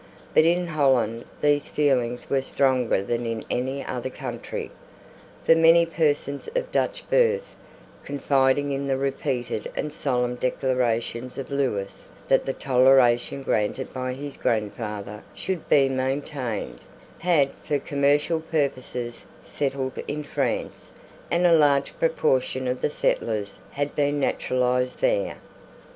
But in Holland these feelings were stronger than in any other country; for many persons of Dutch birth, confiding in the repeated and solemn declarations of Lewis that the toleration granted by his grandfather should be maintained, had, for commercial purposes, settled in France, and a large proportion of the settlers had been naturalised there.